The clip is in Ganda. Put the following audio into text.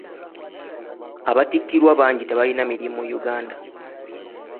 Abattikirwa bangi tebalina mirimu mu Uganda.